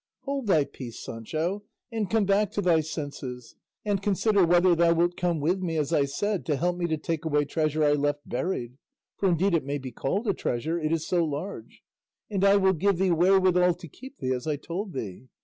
Hold thy peace, Sancho, and come back to thy senses, and consider whether thou wilt come with me as I said to help me to take away treasure I left buried (for indeed it may be called a treasure, it is so large), and I will give thee wherewithal to keep thee, as I told thee."